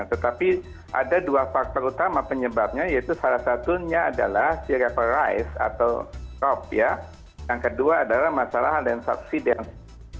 tetapi ada dua faktor utama penyebabnya yaitu salah satunya adalah seaparize atau rop yang kedua adalah masalah land subsidence